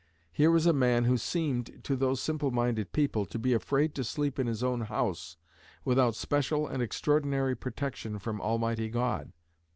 Here was a man who seemed, to these simple minded people, to be afraid to sleep in his own house without special and extraordinary protection from Almighty God.